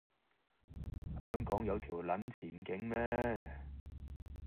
香港有條撚前景咩